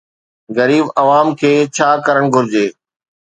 غريب عوام کي ڇا ڪرڻ گهرجي؟